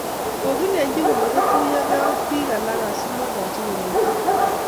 kokilenchi komotituyo gei ak biik alak asimaikochi koroito